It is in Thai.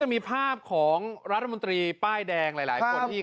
ก็จะมีภาพของรัฐบนตรีป้ายแดงข้าที่